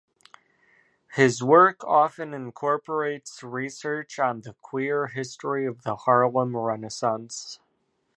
His work often incorporates research on the queer history of the Harlem Renaissance.